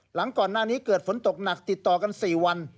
หลังก่อนหน้านี้เกิดฝนตกหนักติดต่อกัน๔วัน